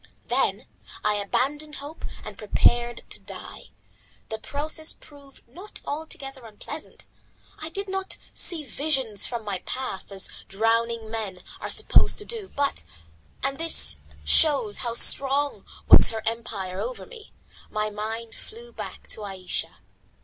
Then I abandoned hope and prepared to die. The process proved not altogether unpleasant. I did not see visions from my past life as drowning men are supposed to do, but and this shows how strong was her empire over me my mind flew back to Ayesha.